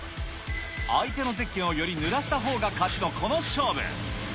相手のゼッケンをよりぬらしたほうが勝ちのこの勝負。